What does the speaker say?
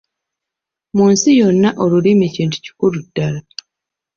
Mu nsi yonna Olulimi kintu kikulu ddala.